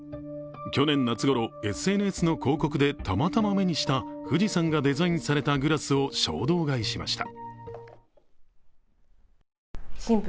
去年夏ごろ、ＳＮＳの広告でたまたま目にした富士山がデザインされたグラスを衝動買いしました。